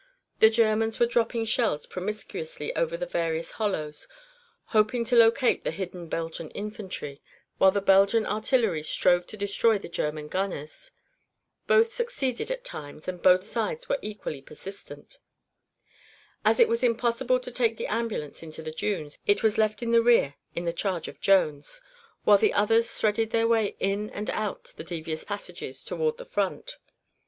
The Germans were dropping shells promiscuously into the various hollows, hoping to locate the hidden Belgian infantry, while the Belgian artillery strove to destroy the German gunners. Both succeeded at times, and both sides were equally persistent. As it was impossible to take the ambulance into the dunes, it was left in the rear in charge of Jones, while the others threaded their way in and out the devious passages toward the front.